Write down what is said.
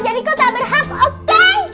jadi kau tak berhak oke